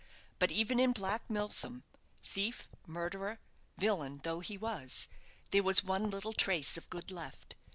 But even in Black Milsom thief, murderer, villain, though he was there was one little trace of good left.